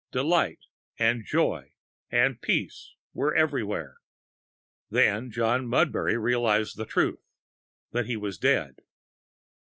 Delight and Joy and Peace were everywhere. Then John Mudbury realised the truth that he was dead.